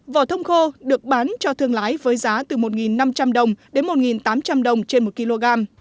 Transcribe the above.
vỏ thông khô được bán cho thương lái với giá từ một năm trăm linh đồng đến một tám trăm linh đồng trên một kg